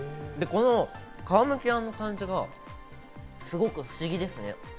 この皮むきあんの感じがすごく不思議ですね。